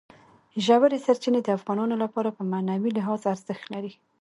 ژورې سرچینې د افغانانو لپاره په معنوي لحاظ ارزښت لري.